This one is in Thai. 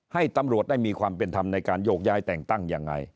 ให้ตำรวจได้มีความเป็นธรรมในการโยกย้ายแต่งตั้งยังไง